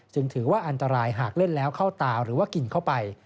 ถือว่าอันตรายหากเล่นแล้วเข้าตาหรือว่ากินเข้าไป